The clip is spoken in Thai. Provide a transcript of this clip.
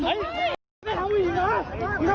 มึงถามผู้หญิงนะ